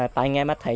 tại nghe mắt thấy